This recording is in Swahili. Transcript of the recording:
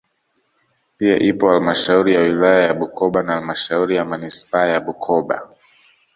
Pia ipo halmashauri ya wilaya ya Bukoba na halmashuri ya manispaa ya Bukoba